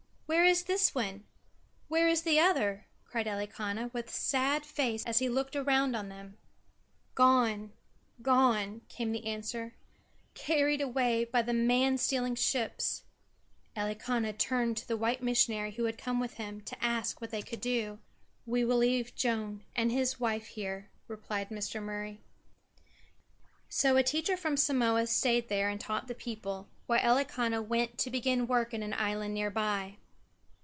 "Where is this one? Where is the other?" cried Elikana, with sad face as he looked around on them. "Gone, gone," came the answer; "carried away by the man stealing ships." Elikana turned to the white missionary who had come with him, to ask what they could do. "We will leave Joane and his wife here," replied Mr. Murray. So a teacher from Samoa stayed there and taught the people, while Elikana went to begin work in an island near by.